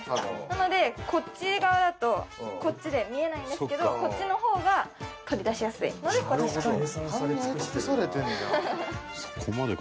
なのでこっち側だとこっちで見えないんですけどこっちの方が取り出しやすいのでこっちの方に。